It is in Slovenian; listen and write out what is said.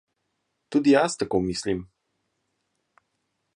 Tudi jaz tako mislim.